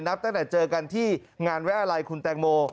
นับตั้งแต่เจอกันที่งานไว้อะไรคุณแตงโม